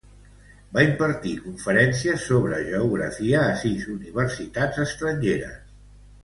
Va impartir conferències sobre geografia a sis universitats estrangeres.